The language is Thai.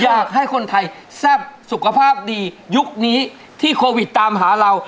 อยากให้คนไทยแซ่บสุขภาพดียุคนี้ที่โควิดตามหาเรา